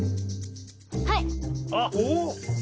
はい！